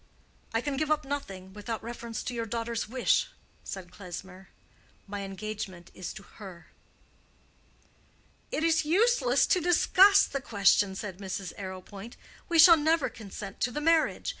"I can give up nothing without reference to your daughter's wish," said Klesmer. "My engagement is to her." "It is useless to discuss the question," said Mrs. Arrowpoint. "We shall never consent to the marriage.